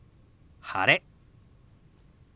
「晴れ」。